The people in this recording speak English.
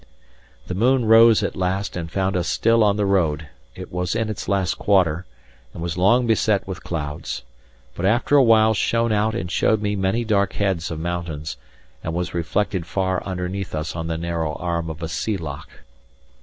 The moon rose at last and found us still on the road; it was in its last quarter, and was long beset with clouds; but after awhile shone out and showed me many dark heads of mountains, and was reflected far underneath us on the narrow arm of a sea loch.